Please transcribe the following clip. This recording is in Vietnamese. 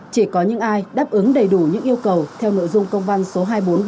chỉ có những ai đáp ứng đầy đủ những yêu cầu theo nội dung công văn số hai nghìn bốn trăm ba mươi bốn